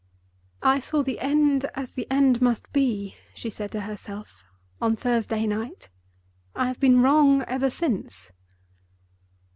"I saw the end as the end must be," she said to herself, "on Thursday night. I have been wrong ever since."